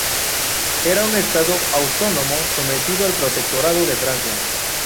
Era un estado autónomo sometido al protectorado de Francia.